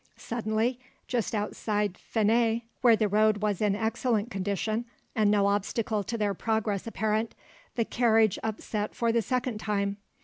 Suddenly, just outside Fenet, where the road was in excellent condition and no obstacle to their progress apparent, the carriage upset for the second time.